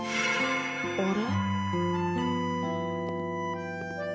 あれ？